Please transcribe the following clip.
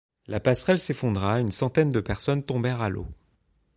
La passerelle s'effondra et une centaine de personnes tombèrent à l'eau.